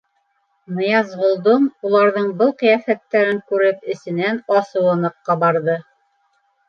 Ныязғолдоң, уларҙың был ҡиәфәттәрен күреп, эсенән асыуы ныҡ ҡабарҙы.